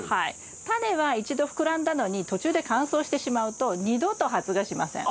タネは一度膨らんだのに途中で乾燥してしまうと二度と発芽しません。